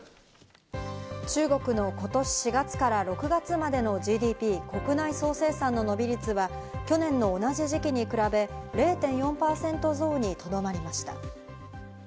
中国の今年４月から６月までのＧＤＰ＝国内総生産の伸び率は、去年の同じ時期に比べ、０．４％増にとどまりました。